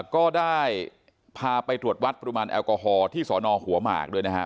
ก็ได้พาไปตรวจวัดปริมาณแอลกอฮอลที่สอนอหัวหมากด้วยนะครับ